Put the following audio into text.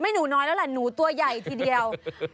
หนูน้อยแล้วแหละหนูตัวใหญ่ทีเดียว